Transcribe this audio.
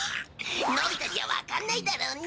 のび太にはわかんないだろうね。